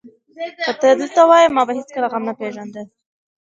که ته دلته وای، ما به هېڅکله غم نه پېژانده.